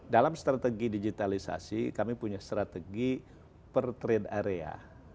dalam strategi digitalisasi kami punya strategi per trade area